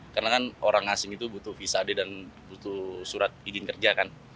karena kan orang asing itu butuh visa d dan butuh surat izin kerja kan